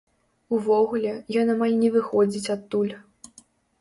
Увогуле, ён амаль не выходзіць адтуль.